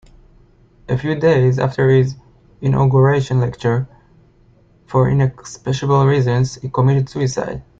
A few days after his inauguration lecture, for inexplicable reasons, he committed suicide.